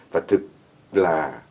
và thực là